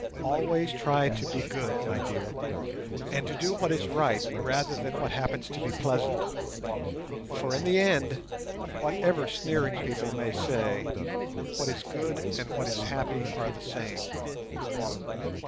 Always try to be good, my dear, and to do what is right, rather than what happens to be pleasant, for in the end, whatever sneering people may say, what is good and what is happy are the same.